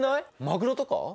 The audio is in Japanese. マグロとか？